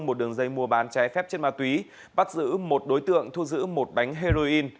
một đường dây mua bán trái phép trên ma túy